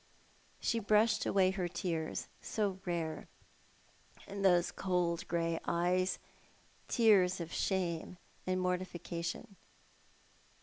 She brushed away her tears— so rare in those cold grey eyes — tears of shame and mortification.